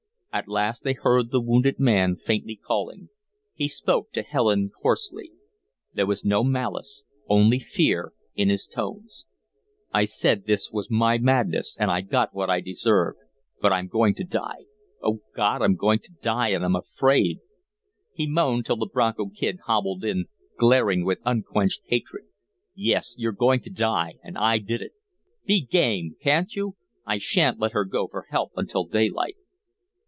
At last they heard the wounded man faintly calling. He spoke to Helen hoarsely. There was no malice, only fear, in his tones: "I said this was my madness and I got what I deserved, but I'm going to die. O God I'm going to die and I'm afraid." He moaned till the Bronco Kid hobbled in, glaring with unquenched hatred. "Yes, you're going to die and I did it. Be game, can't you? I sha'n't let her go for help until daylight."